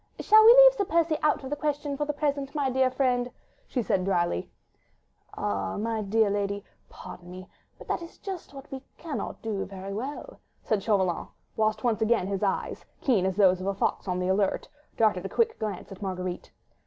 "Shall we leave Sir Percy out of the question for the present, my dear friend?" she said drily. "Ah! my dear lady, pardon me, but that is just what we cannot very well do," said Chauvelin, whilst once again his eyes, keen as those of a fox on the alert, darted a quick glance at Marguerite.